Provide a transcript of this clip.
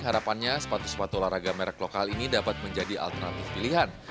harapannya sepatu sepatu olahraga merek lokal ini dapat menjadi alternatif pilihan